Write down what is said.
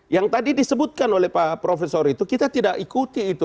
yang tadi disebutkan oleh pak profesor itu kita tidak ikuti itu